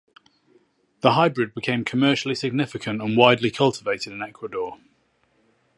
The hybrid became commercially significant and widely cultivated in Ecuador.